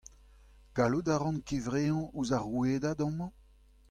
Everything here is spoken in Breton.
Gallout a ran kevreañ ouzh ar rouedad amañ ?